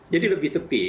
jadi lebih sepi